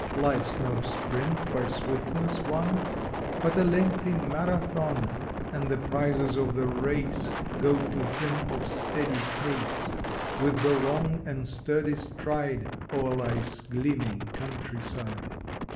Life s no sprint by swiftness won, But a lengthy Marathon, And the prizes of the race Go to him of steady pace With the long and sturdy stride O er life s gleaming countryside.